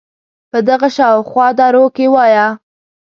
په دغه شااو خوا دروکې وایه